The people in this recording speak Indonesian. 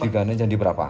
digandain jadi berapa